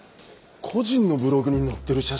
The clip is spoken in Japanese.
⁉個人のブログに載ってる写真？